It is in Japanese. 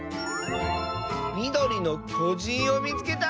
「みどりのきょじんをみつけた！」。